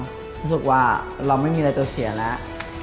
รู้สึกว่าเราไม่มีอะไรจะเสียแล้ว